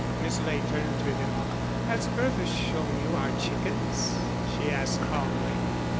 Miss Ley turned to him. "Has Bertha shown you our chickens?" she asked, calmly.